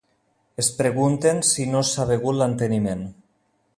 Es pregunten si no s'ha begut l'enteniment.